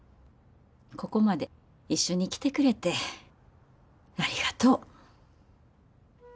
ここまで一緒に来てくれてありがとう。